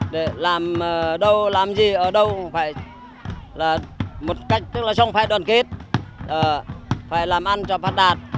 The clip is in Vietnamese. để làm đâu làm gì ở đâu cũng phải là một cách tức là song phải đoàn kết phải làm ăn cho phát đạt